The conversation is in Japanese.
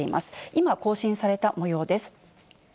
今、更新されたもようです。